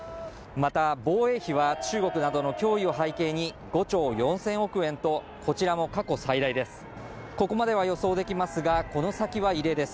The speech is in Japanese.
また防衛費は中国などの脅威を背景に５兆４０００億円とこちらも過去最大です